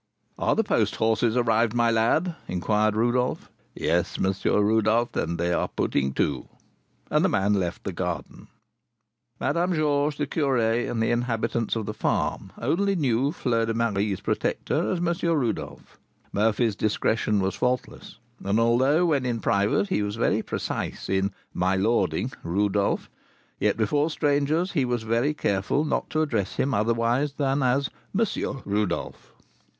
"Are the post horses arrived, my lad?" inquired Rodolph. "Yes, M. Rodolph; and they are putting to." And the man left the garden. Madame Georges, the curé, and the inhabitants of the farm only knew Fleur de Marie's protector as M. Rodolph. Murphy's discretion was faultless; and although when in private he was very precise in "my lording" Rodolph, yet before strangers he was very careful not to address him otherwise than as M. Rodolph.